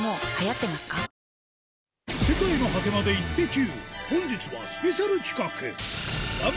コリャ『世界の果てまでイッテＱ！』